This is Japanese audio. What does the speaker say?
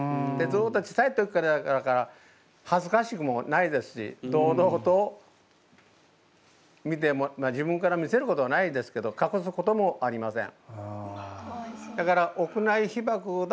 ずっと小さい時からやからかはずかしくもないですし堂々と自分から見せることはないですけどかくすこともありません。